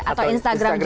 atau instagram juga